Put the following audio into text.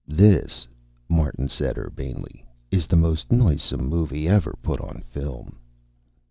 "This," Martin said urbanely, "is the most noisome movie ever put on film."